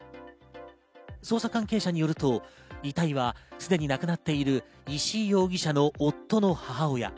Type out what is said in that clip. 捜査関係者によると、遺体はすでに亡くなっている石井容疑者の夫の母親。